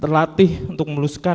terlatih untuk meluskan